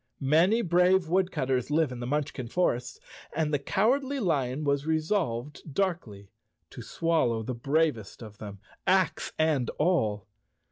Many brave woodcutters live in the Munchkin forests, and the Cowardly Lion was resolved darkly to swallow the bravest of them, ax and all.